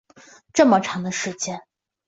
这么长的时间